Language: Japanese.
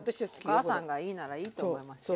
お母さんがいいならいいと思いますよ。